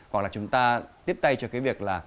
gọi là chúng ta tiếp tay cho cái việc là